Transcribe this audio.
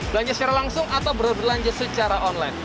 belanja secara langsung atau berbelanja secara online